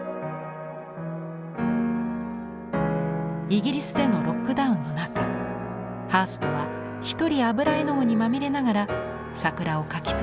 イギリスでのロックダウンの中ハーストは一人油絵の具にまみれながら桜を描き続けました。